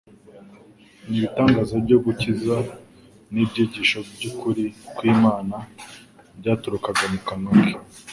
n'ibitangaza byo gukiza n'ibyigisho by'ukuri kw'Imana byaturukaga mu kanwa ke: